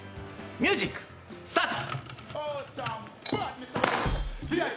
ミュージックスタート！